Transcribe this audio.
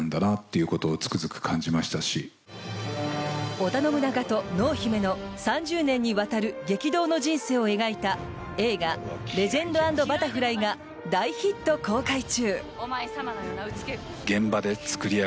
織田信長と濃姫の３０年にわたる激動の人生を描いた映画「レジェンド＆バタフライ」が大ヒット公開中！